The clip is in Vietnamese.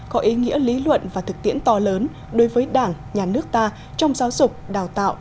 có ý nghĩa lý luận và thực tiễn to lớn đối với đảng nhà nước ta trong giáo dục đào tạo